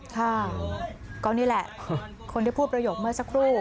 ค่ะก็นี่แหละคนที่พูดประโยคเมื่อสักครู่